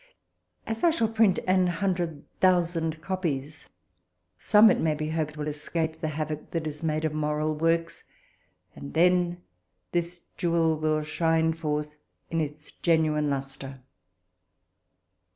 As I shall print an hundred thousand copies, some, it may be hoped, will escape the havoc that is made of moral works, and then this jewel will shine forth in its genuine lustre.